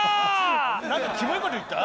何かキモいこと言った？